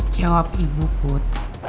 jawab ibu put